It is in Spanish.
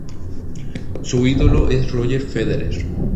Su ídolo es Roger Federer.